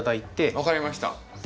分かりました。